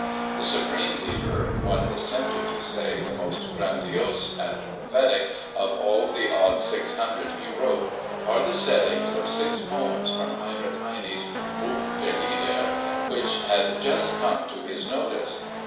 The supreme Lieder—one is tempted to say the most grandiose and prophetic of all the odd 600 he wrote—are the settings of six poems from Heinrich Heine's Buch der Lieder, which had just come to his notice.